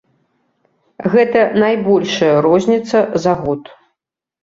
Гэта найбольшая розніца за год.